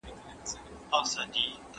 تاسې د کوم عالم تعریف خوښوئ؟